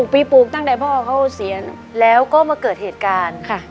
หกปีปลูกตั้งแต่พ่อเคราะห์เซียนแล้วก็มาเกิดเหตุการณ์ค่ะ